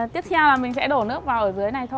tiếp theo là mình sẽ đổ nước vào ở dưới này thôi